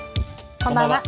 こんばんは。